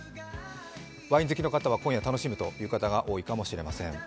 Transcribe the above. ワイン好きの方は、今夜楽しむという方が多いかもしれません。